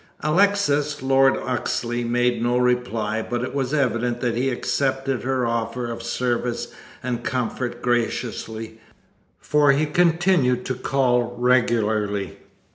Alexis, Lord Oxley, made no reply, but it was evident that he accepted her offer of service and comfort graciously, for he continued to call regularly.